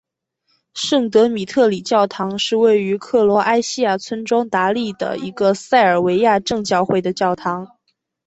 圣德米特里教堂是位于克罗埃西亚村庄达利的一个塞尔维亚正教会的教堂。